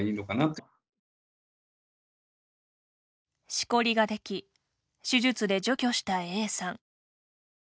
しこりができ手術で除去したＡさん。